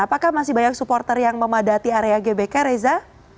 apakah masih banyak supporter yang memadati area gbk reza